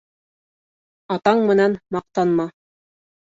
Атаң менән маҡтанма.